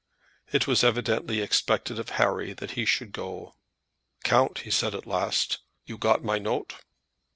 It was evidently expected of Harry that he should go. "Count," he said at last, "you got my note?"